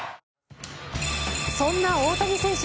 そんな大谷選手